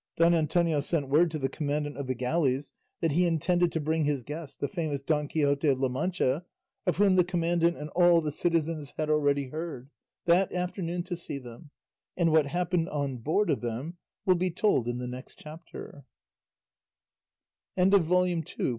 Don Antonio sent word to the commandant of the galleys that he intended to bring his guest, the famous Don Quixote of La Mancha, of whom the commandant and all the citizens had already heard, that afternoon to see them; and what happened on board of them will be told in the next chapter.